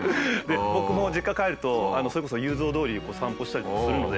僕も実家帰るとそれこそ雄三通りを散歩したりとかするので。